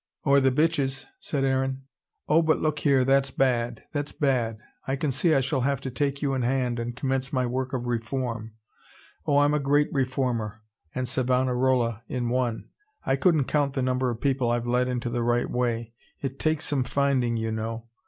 "Or the bitches," said Aaron. "Oh, but look here, that's bad! That's bad! I can see I shall have to take you in hand, and commence my work of reform. Oh, I'm a great reformer, a Zwingli and Savonarola in one. I couldn't count the number of people I've led into the right way. It takes some finding, you know.